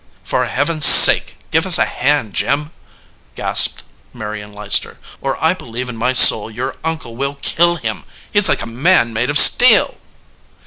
"For Heaven s sake, give us a hand, Jim," gasped Marion Leicester, "or" I believe in my soul your uncle will kill him! He s like a man made of steel."